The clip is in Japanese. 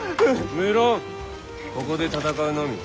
無論ここで戦うのみ。